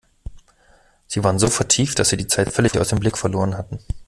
Sie waren so vertieft, dass sie die Zeit völlig aus dem Blick verloren hatten.